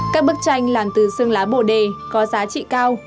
các bức tranh làm từ xương lá bồ đề có giá trị cao